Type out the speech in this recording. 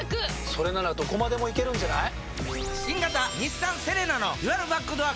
それならどこまでも行けるんじゃない？